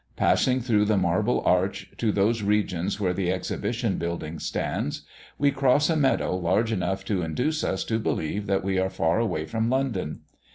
Passing through the Marble arch to those regions where the Exhibition building stands, we cross a meadow large enough to induce us to believe that we are far away from London.